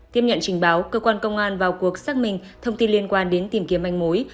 tiếp nhận trình báo cơ quan công an vào cuộc xác minh thông tin liên quan đến tìm kiếm anh mối